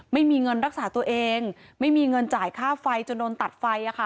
ไม่มีเงินรักษาตัวเองไม่มีเงินจ่ายค่าไฟจนโดนตัดไฟ